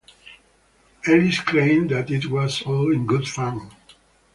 Ellis claimed that it was all in good fun.